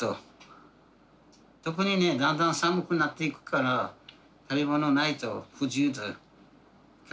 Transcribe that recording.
特にねだんだん寒くなっていくから食べ物ないと不自由だよ。